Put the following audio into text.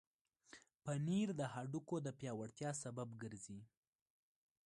پنېر د هډوکو د پیاوړتیا سبب ګرځي.